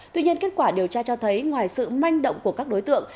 tuy nhiên kết quả điều tra cho thấy ngoài sự manh động của các đối tượng